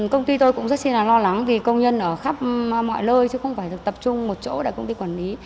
công ty tôi cũng rất là lo lắng vì công nhân ở khắp mọi lơi chứ không phải tập trung một chỗ để công ty quản lý